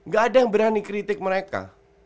gak ada yang berani kritik mereka